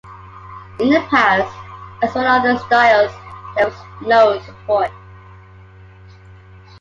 In the past, as for the other styles, there was no support